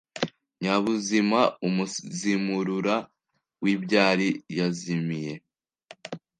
Nyabuzima umuzimurura w’ibyari yazimiye